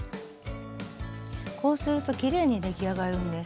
こうするときれいに出来上がるんです。